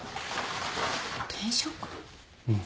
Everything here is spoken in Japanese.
うん。